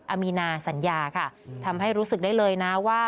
อามีนาสัญญาค่ะทำให้รู้สึกได้เลยนะว่า